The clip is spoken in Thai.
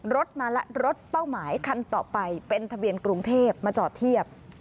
รถมาและรถเป้าหมายคันต่อไปเป็นทะเบียนกรุงเทพมาจอดเทียบ